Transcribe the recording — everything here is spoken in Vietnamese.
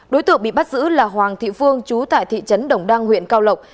đối tượng bị bắt giữ là hoàng thị phương trú tại thị trấn đồng đăng huyện cao lộc